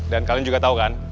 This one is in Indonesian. dan kalian juga tau kan